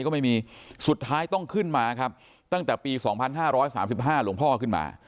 ก็ไม่มีสุดท้ายต้องขึ้นมาครับตั้งแต่ปีสองพันห้าร้อยสามสิบห้ารวงพ่อขึ้นมา